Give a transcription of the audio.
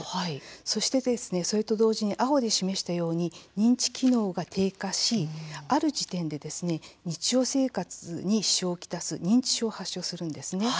そして、それと同時に青で示したように認知機能が低下しある時点で日常生活に支障を来す認知症を発症するんですね。